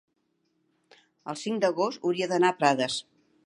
el cinc d'agost hauria d'anar a Prades.